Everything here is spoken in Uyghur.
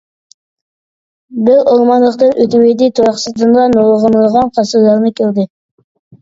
بىر ئورمانلىقتىن ئۆتۈۋىدى، تۇيۇقسىزدىنلا نۇرغۇنلىغان قەسىرلەرنى كۆردى.